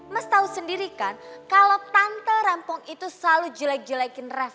mas tau sendiri kan kalau tante rempong itu selalu jelek jelekin reva